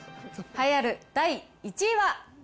栄えある第１位は。